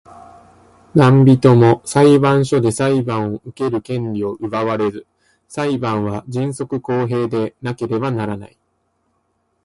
何人（なんびと）も裁判所で裁判を受ける権利を奪われず、裁判は迅速公平でなければならない。